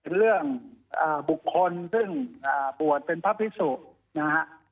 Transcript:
เรื่องบุคคลซึ่งบวชเป็นพระพิสุนะฮะ